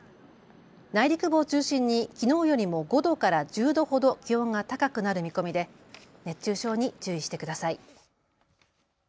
内陸部を中心にきのうよりも５度から１０度ほど気温が高くなる見込みで熱中症に注意してください。